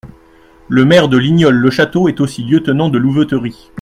Le maire de Lignol-le-Château est aussi lieutenant de louveterie.